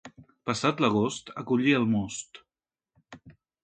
Passat l'agost, a collir el most.